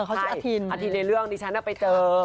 เขาชื่ออธินอธินเรื่องที่ฉันนะไปเจอ